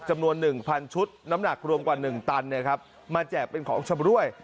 จำนวน๑๐๐ชุดน้ำหนักรวมกว่า๑ตันมาแจกเป็นของชำรวย